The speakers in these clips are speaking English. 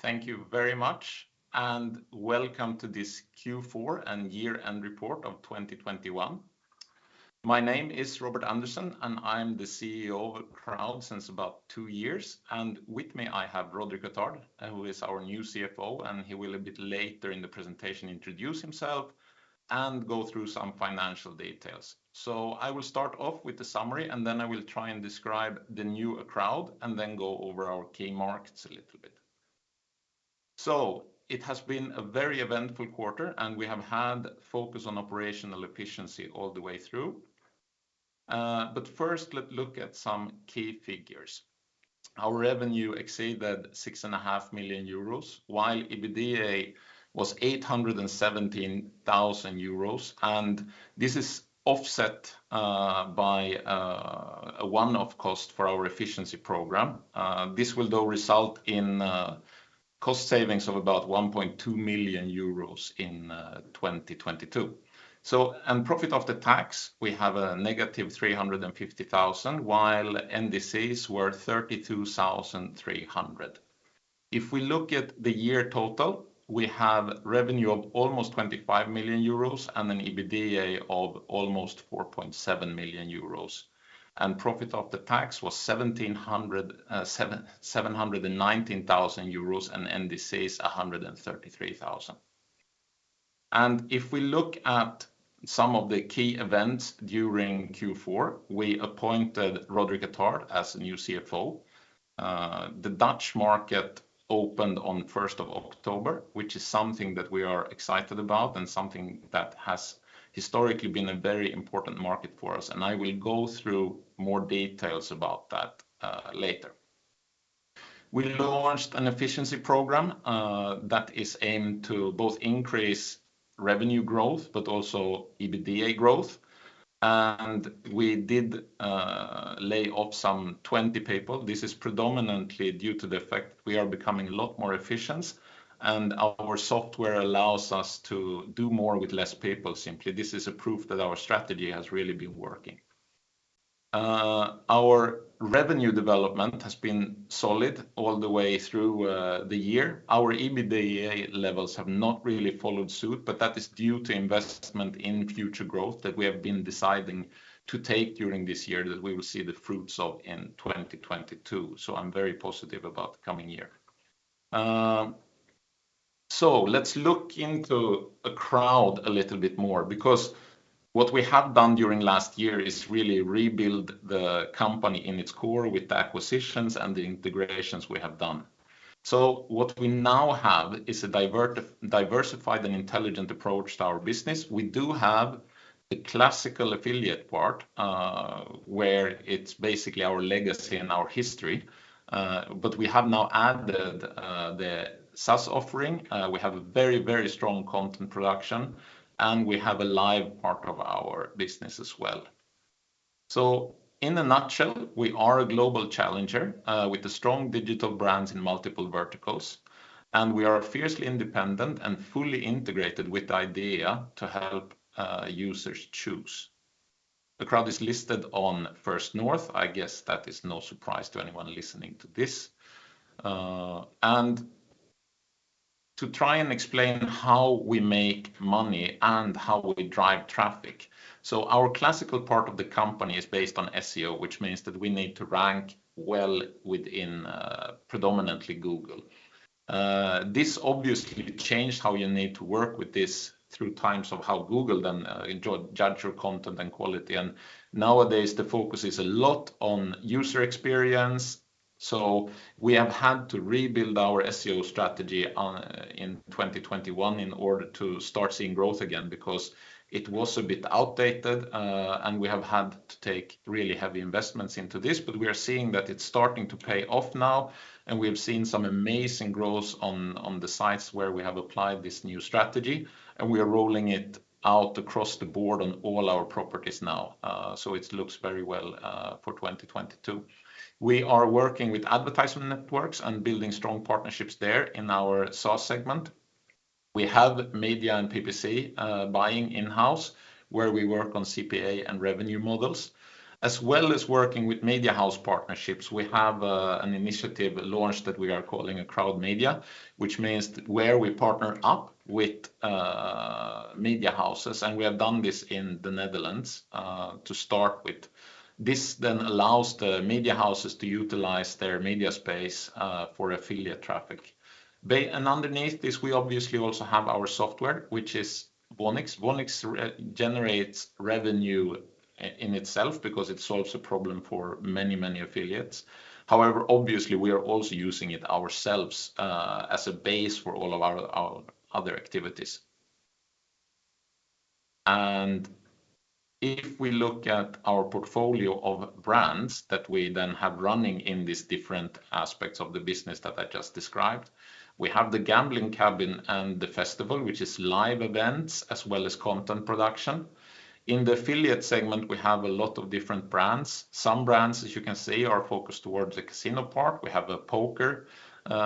Thank you very much, and welcome to this Q4 and year-end report of 2021. My name is Robert Andersson, and I'm the CEO of Acroud since about two years. With me, I have Roderick Attard, who is our new CFO, and he will a bit later in the presentation introduce himself and go through some financial details. I will start off with the summary, and then I will try and describe the new Acroud, and then go over our key markets a little bit. It has been a very eventful quarter, and we have had focus on operational efficiency all the way through. First, let's look at some key figures. Our revenue exceeded 6.5 million euros, while EBITDA was 817 thousand euros, and this is offset by a one-off cost for our efficiency program. This will though result in cost savings of about 1.2 million euros in 2022. Profit before tax, we have a negative 350,000, while NDCs were 32,300. If we look at the year total, we have revenue of almost 25 million euros and an EBITDA of almost 4.7 million euros. Profit before tax was 719,000 euros, and NDCs 133,000. If we look at some of the key events during Q4, we appointed Roderick Attard as the new CFO. The Dutch market opened on first of October, which is something that we are excited about and something that has historically been a very important market for us. I will go through more details about that later. We launched an efficiency program that is aimed to both increase revenue growth but also EBITDA growth. We did lay off some 20 people. This is predominantly due to the fact we are becoming a lot more efficient, and our software allows us to do more with less people simply. This is a proof that our strategy has really been working. Our revenue development has been solid all the way through the year. Our EBITDA levels have not really followed suit, but that is due to investment in future growth that we have been deciding to take during this year that we will see the fruits of in 2022. I'm very positive about the coming year. Let's look into Acroud a little bit more because what we have done during last year is really rebuild the company in its core with the acquisitions and the integrations we have done. What we now have is a diversified and intelligent approach to our business. We do have the classical affiliate part, where it's basically our legacy and our history. We have now added the SaaS offering. We have a very, very strong content production, and we have a live part of our business as well. In a nutshell, we are a global challenger, with strong digital brands in multiple verticals, and we are fiercely independent and fully integrated with the idea to help users choose. Acroud is listed on First North. I guess that is no surprise to anyone listening to this. To try and explain how we make money and how we drive traffic. Our classical part of the company is based on SEO, which means that we need to rank well within, predominantly Google. This obviously changed how you need to work with this through times of how Google then, judge your content and quality. Nowadays, the focus is a lot on user experience. We have had to rebuild our SEO strategy, in 2021 in order to start seeing growth again because it was a bit outdated, and we have had to take really heavy investments into this. We are seeing that it's starting to pay off now, and we have seen some amazing growth on the sites where we have applied this new strategy, and we are rolling it out across the board on all our properties now. It looks very well for 2022. We are working with advertisement networks and building strong partnerships there in our SaaS segment. We have media and PPC buying in-house, where we work on CPA and revenue models, as well as working with media house partnerships. We have an initiative launch that we are calling Acroud Media, which means where we partner up with media houses, and we have done this in the Netherlands to start with. This then allows the media houses to utilize their media space for affiliate traffic. Underneath this, we obviously also have our software, which is Voonix. Voonix generates revenue in itself because it solves a problem for many, many affiliates. However, obviously, we are also using it ourselves, as a base for all of our other activities. If we look at our portfolio of brands that we then have running in these different aspects of the business that I just described, we have TheGambling Cabin and The Festival Series, which is live events as well as content production. In the affiliate segment, we have a lot of different brands. Some brands, as you can see, are focused towards the casino part. We have poker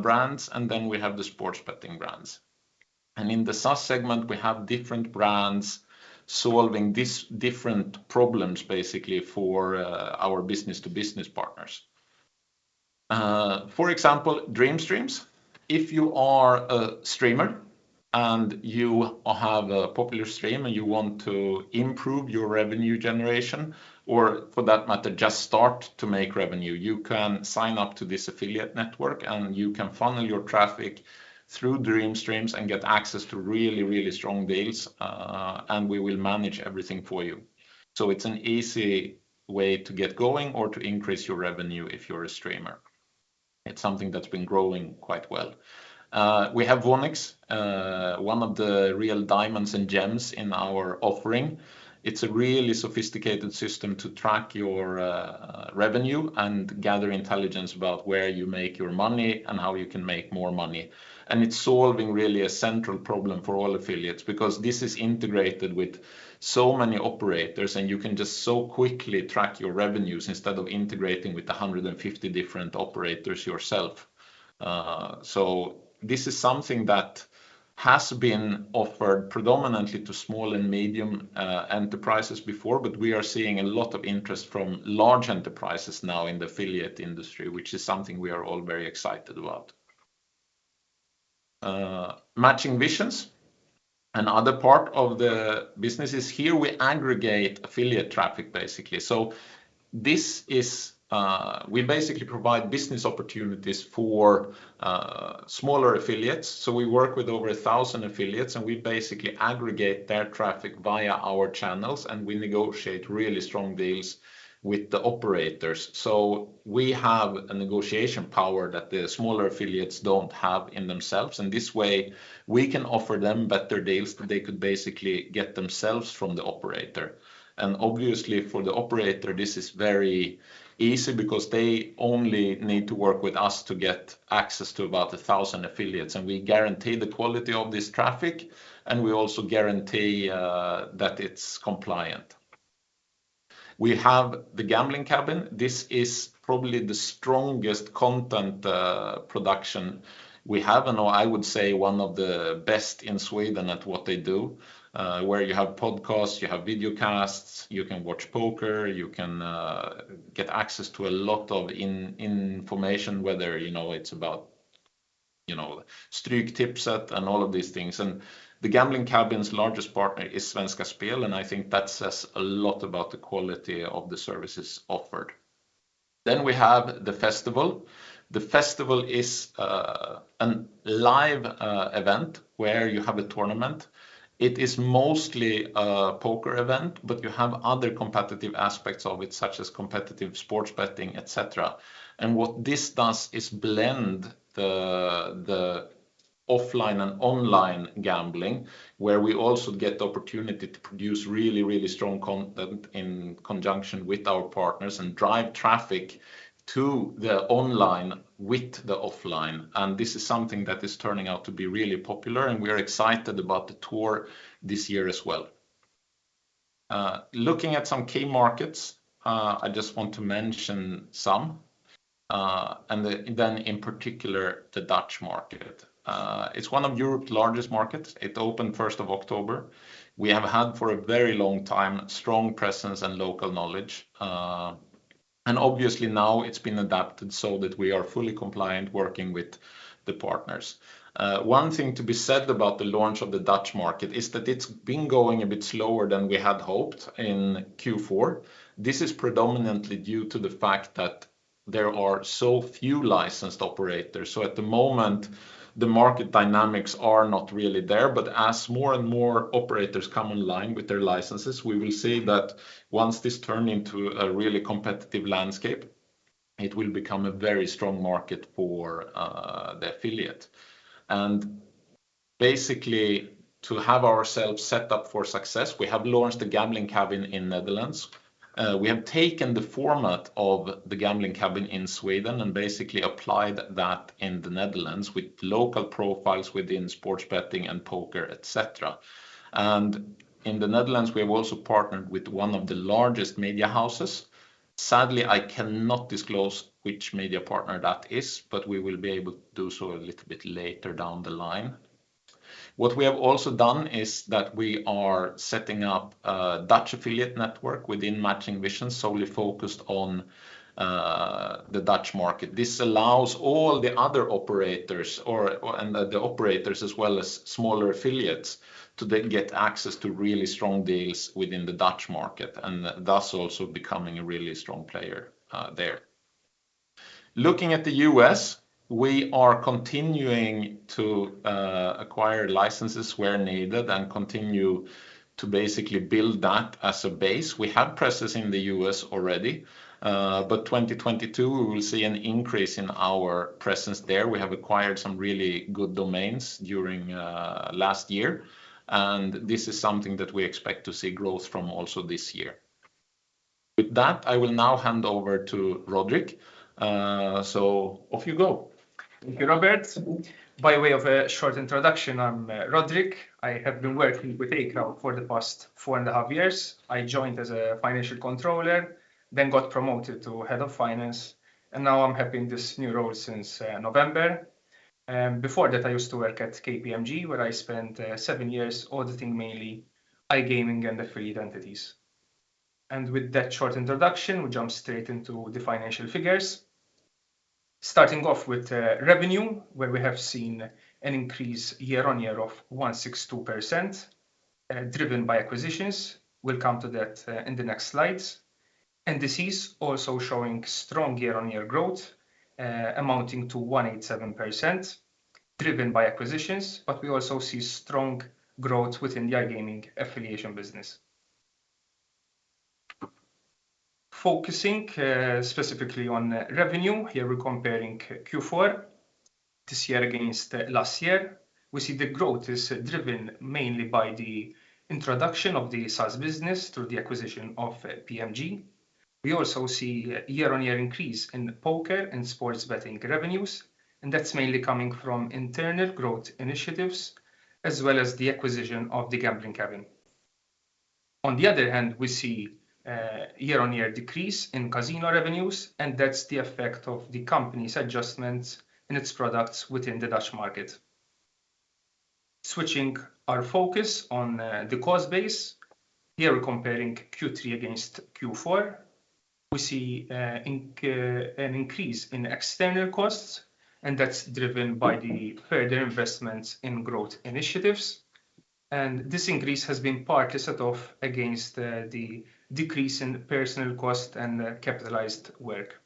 brands, and then we have the sports betting brands. In the SaaS segment, we have different brands solving these different problems basically for our business-to-business partners. For example, Dream Streams. If you are a streamer and you have a popular stream, and you want to improve your revenue generation or, for that matter, just start to make revenue, you can sign up to this affiliate network, and you can funnel your traffic through Dream.Streams and get access to really, really strong deals, and we will manage everything for you. It's an easy way to get going or to increase your revenue if you're a streamer. It's something that's been growing quite well. We have Voonix, one of the real diamonds and gems in our offering. It's a really sophisticated system to track your revenue and gather intelligence about where you make your money and how you can make more money. It's solving really a central problem for all affiliates because this is integrated with so many operators, and you can just so quickly track your revenues instead of integrating with 150 different operators yourself. This is something that has been offered predominantly to small and medium enterprises before, but we are seeing a lot of interest from large enterprises now in the affiliate industry, which is something we are all very excited about. Matching Visions. Another part of the business is here we aggregate affiliate traffic, basically. We basically provide business opportunities for smaller affiliates. We work with over 1,000 affiliates, and we basically aggregate their traffic via our channels, and we negotiate really strong deals with the operators. We have a negotiation power that the smaller affiliates don't have in themselves, and this way we can offer them better deals than they could basically get themselves from the operator. Obviously, for the operator, this is very easy because they only need to work with us to get access to about 1,000 affiliates, and we guarantee the quality of this traffic, and we also guarantee that it's compliant. We have TheGambling Cabin. This is probably the strongest content production we have, and I would say one of the best in Sweden at what they do, where you have podcasts, you have video casts, you can watch poker, you can get access to a lot of information, whether, you know, it's about, you know, Stryktipset and all of these things. TheGambling Cabin's largest partner is Svenska Spel, and I think that says a lot about the quality of the services offered. We have The Festival. The Festival is a live event where you have a tournament. It is mostly a poker event, but you have other competitive aspects of it, such as competitive sports betting, et cetera. What this does is blend the offline and online gambling, where we also get the opportunity to produce really, really strong content in conjunction with our partners and drive traffic to the online with the offline. This is something that is turning out to be really popular, and we are excited about the tour this year as well. Looking at some key markets, I just want to mention some, and then in particular, the Dutch market. It's one of Europe's largest markets. It opened the first of October. We have had for a very long time strong presence and local knowledge. Obviously now it's been adapted so that we are fully compliant working with the partners. One thing to be said about the launch of the Dutch market is that it's been going a bit slower than we had hoped in Q4. This is predominantly due to the fact that there are so few licensed operators. At the moment, the market dynamics are not really there. As more and more operators come online with their licenses, we will see that once this turn into a really competitive landscape, it will become a very strong market for the affiliate. Basically, to have ourselves set up for success, we have launched TheGambling Cabin in the Netherlands. We have taken the format of TheGambling Cabin in Sweden and basically applied that in the Netherlands with local profiles within sports betting and poker, et cetera. In the Netherlands, we have also partnered with one of the largest media houses. Sadly, I cannot disclose which media partner that is, but we will be able to do so a little bit later down the line. What we have also done is that we are setting up a Dutch affiliate network within Matching Visions solely focused on the Dutch market. This allows all the other operators and the operators as well as smaller affiliates to then get access to really strong deals within the Dutch market and thus also becoming a really strong player there. Looking at the U.S., we are continuing to acquire licenses where needed and continue to basically build that as a base. We have presence in the U.S. already, but 2022, we will see an increase in our presence there. We have acquired some really good domains during last year, and this is something that we expect to see growth from also this year. With that, I will now hand over to Roderick. So off you go. Thank you, Robert. By way of a short introduction, I'm Roderick. I have been working with Acroud for the past four and a half years. I joined as a financial controller, then got promoted to head of finance, and now I'm having this new role since November. Before that, I used to work at KPMG, where I spent 7 years auditing mainly iGaming and affiliate entities. With that short introduction, we jump straight into the financial figures. Starting off with revenue, where we have seen an increase year-on-year of 162%, driven by acquisitions. We'll come to that in the next slides. This is also showing strong year-on-year growth, amounting to 187% driven by acquisitions, but we also see strong growth within the iGaming affiliation business. Focusing, specifically on revenue, here we're comparing Q4 this year against last year. We see the growth is driven mainly by the introduction of the SaaS business through the acquisition of PMG. We also see year-on-year increase in poker and sports betting revenues, and that's mainly coming from internal growth initiatives as well as the acquisition of TheGambling Cabin. On the other hand, we see year-on-year decrease in casino revenues, and that's the effect of the company's adjustments in its products within the Dutch market. Switching our focus on the cost base. Here we're comparing Q3 against Q4. We see an increase in external costs, and that's driven by the further investments in growth initiatives. This increase has been partly set off against the decrease in personnel costs and capitalized work.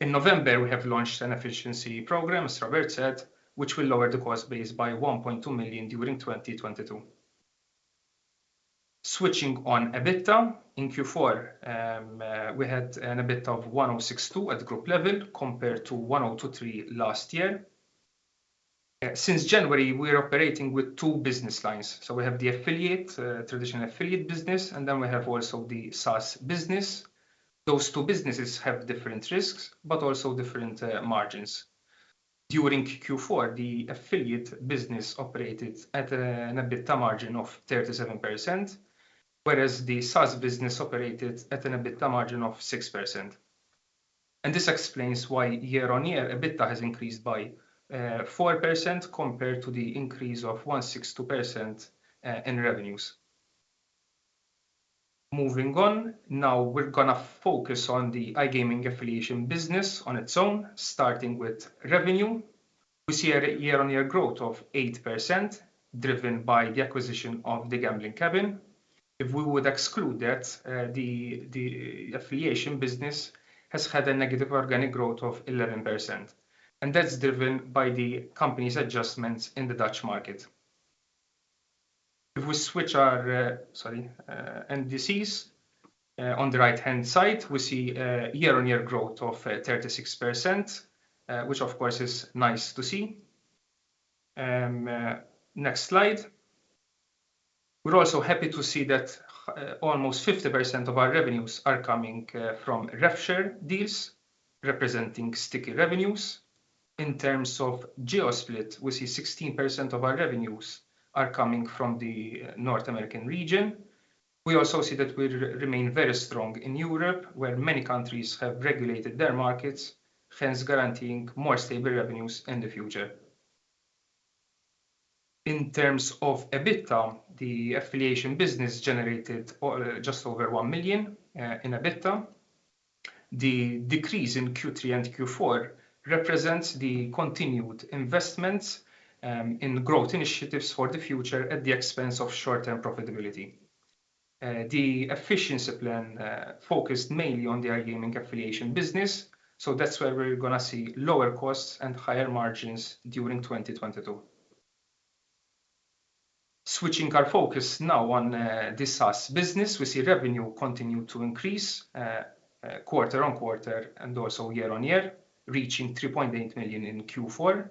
In November, we have launched an efficiency program, as Robert said, which will lower the cost base by 1.2 million during 2022. Switching to EBITDA. In Q4, we had an EBITDA of 1,062 at group level compared to 1,023 last year. Since January, we're operating with two business lines. We have the affiliate traditional affiliate business, and then we have also the SaaS business. Those two businesses have different risks but also different margins. During Q4, the affiliate business operated at an EBITDA margin of 37%, whereas the SaaS business operated at an EBITDA margin of 6%. This explains why year-on-year, EBITDA has increased by 4% compared to the increase of 162% in revenues. Moving on, now we're gonna focus on the iGaming affiliation business on its own, starting with revenue. We see a year-on-year growth of 8% driven by the acquisition of TheGambling Cabin. If we would exclude that, the affiliation business has had a negative organic growth of 11%, and that's driven by the company's adjustments in the Dutch market. This is on the right-hand side, we see year-on-year growth of 36%, which of course is nice to see. Next slide. We're also happy to see that almost 50% of our revenues are coming from revshare deals representing sticky revenues. In terms of geo-split, we see 16% of our revenues are coming from the North American region. We also see that we remain very strong in Europe, where many countries have regulated their markets, hence guaranteeing more stable revenues in the future. In terms of EBITDA, the affiliation business generated just over 1 million in EBITDA. The decrease in Q3 and Q4 represents the continued investments in growth initiatives for the future at the expense of short-term profitability. The efficiency plan focused mainly on the iGaming affiliation business, so that's where we're gonna see lower costs and higher margins during 2022. Switching our focus now on the SaaS business. We see revenue continued to increase quarter-over-quarter and also year-over-year, reaching 3.8 million in Q4.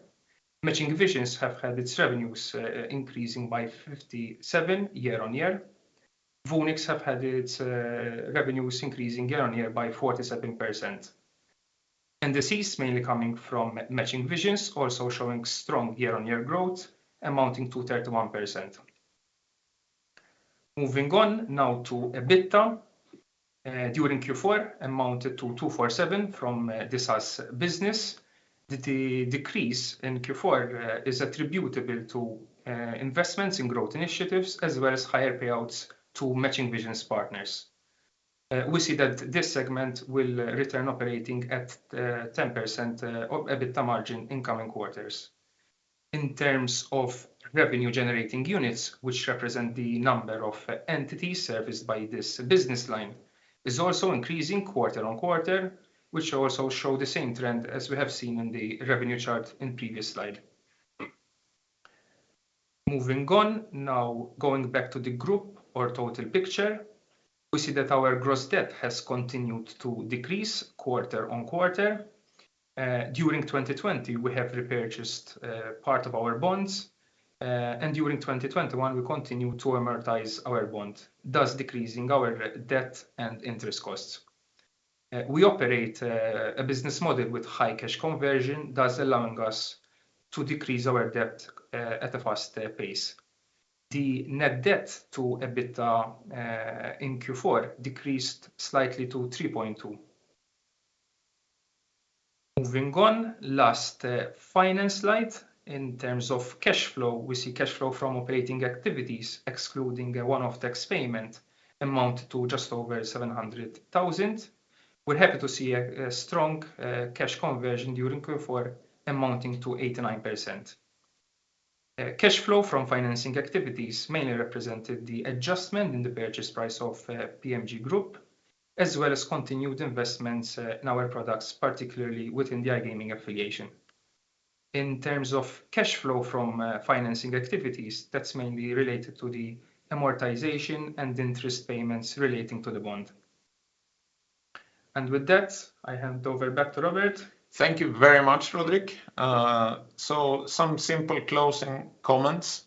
Matching Visions have had its revenues increasing by 57% year-over-year. Voonix have had its revenues increasing year-over-year by 47%. This is mainly coming from Matching Visions also showing strong year-on-year growth amounting to 31%. Moving on now to EBITDA, during Q4 amounted to 247 from the SaaS business. The decrease in Q4 is attributable to investments in growth initiatives as well as higher payouts to Matching Visions partners. We see that this segment will return operating at 10% of EBITDA margin in coming quarters. In terms of revenue-generating units, which represent the number of entities serviced by this business line, is also increasing quarter-on-quarter, which also show the same trend as we have seen in the revenue chart in previous slide. Moving on, now going back to the group or total picture. We see that our gross debt has continued to decrease quarter-on-quarter. During 2020, we have repurchased part of our bonds. During 2021, we continued to amortize our bond, thus decreasing our debt and interest costs. We operate a business model with high cash conversion, thus allowing us to decrease our debt at a faster pace. The net debt to EBITDA in Q4 decreased slightly to 3.2. Moving on, last finance slide. In terms of cash flow, we see cash flow from operating activities excluding a one-off tax payment amounted to just over 700,000. We're happy to see a strong cash conversion during Q4 amounting to 89%. Cash flow from financing activities mainly represented the adjustment in the purchase price of PMG Group, as well as continued investments in our products, particularly within the iGaming application. In terms of cash flow from financing activities, that's mainly related to the amortization and interest payments relating to the bond. With that, I hand over back to Robert. Thank you very much, Roderick. Some simple closing comments.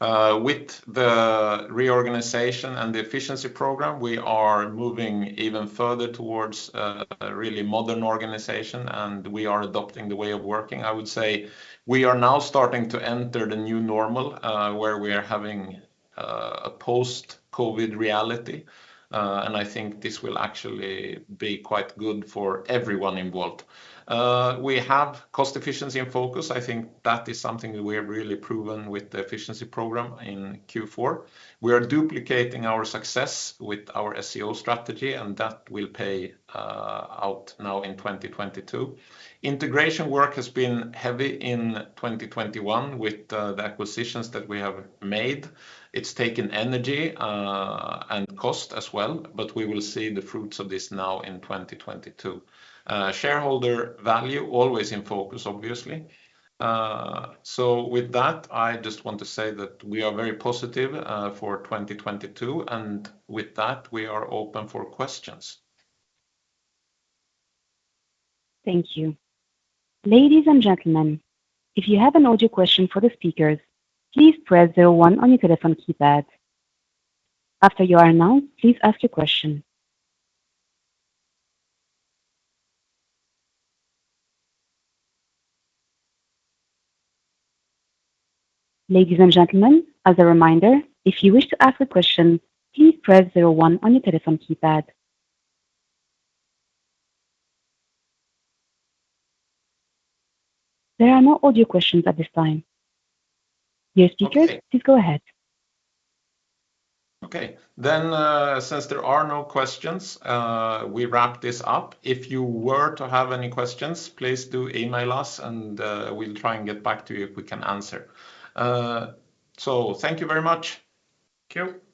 With the reorganization and the efficiency program, we are moving even further towards a really modern organization, and we are adopting the way of working. I would say we are now starting to enter the new normal, where we are having a post-COVID reality, and I think this will actually be quite good for everyone involved. We have cost efficiency and focus. I think that is something we have really proven with the efficiency program in Q4. We are duplicating our success with our SEO strategy, and that will pay out now in 2022. Integration work has been heavy in 2021 with the acquisitions that we have made. It's taken energy and cost as well, but we will see the fruits of this now in 2022. Shareholder value always in focus, obviously. With that, I just want to say that we are very positive for 2022, and with that, we are open for questions. Thank you. Ladies and gentlemen, if you have an audio question for the speakers, please press zero one on your telephone keypad. After you are announced, please ask your question. Ladies and gentlemen, as a reminder, if you wish to ask a question, please press zero one on your telephone keypad. There are no audio questions at this time. Dear speakers, please go ahead. Okay. Since there are no questions, we wrap this up. If you were to have any questions, please do email us and we'll try and get back to you if we can answer. Thank you very much. Thank you.